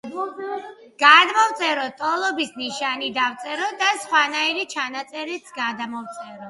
გადმოვწეროთ, ტოლობის ნიშანი დავწეროთ და სხვანაირი ჩანაწერიც გადმოვწეროთ.